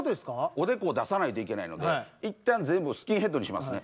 おでこを出さないといけないので一旦全部スキンヘッドにしますね。